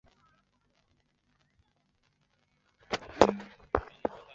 罗根解释德瑞克的死是救了一位同袍兄弟。